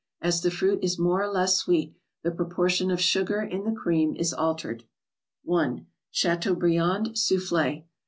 As the fruit is more or less sweet, the proportion of sugar in the cream is altered. 1. —CHATEAUBRIAND SOUFFLE.